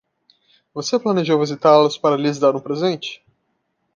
Você planejou visitá-los para lhes dar um presente?